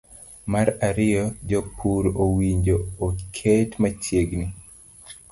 Mar ariyo jopur owinjo oket machiegni